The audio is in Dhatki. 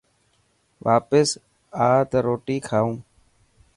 واپس آءِ ته روٽي کائون.